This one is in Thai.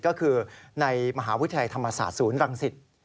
ก็คือในมหาวิทยาลัยธรรมศาสตร์ศูนย์รังสิต